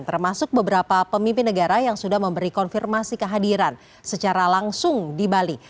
termasuk beberapa pemimpin negara yang sudah memberi konfirmasi kehadiran secara langsung di bali